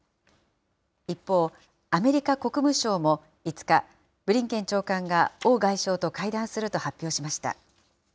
一方、アメリカ国務省も５日、ブリンケン長官が王外相と会談すると発表しました。